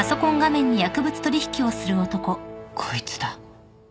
こいつだ。